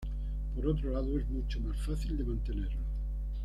Por otro lado, es mucho más fácil de mantenerlo.